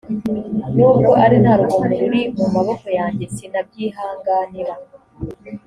nubwo ari nta rugomo ruri mu maboko yanjye sinabyihanganira